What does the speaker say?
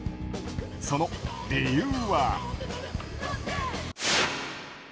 その理由は。